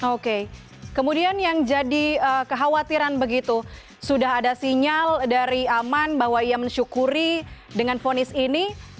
oke kemudian yang jadi kekhawatiran begitu sudah ada sinyal dari aman bahwa ia mensyukuri dengan ponis ini